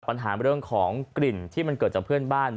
ปัญหาเรื่องของกลิ่นที่มันเกิดจากเพื่อนบ้าน